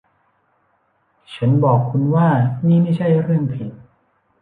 ฉันบอกคุณว่านี่ไม่ใช่เรื่องผิด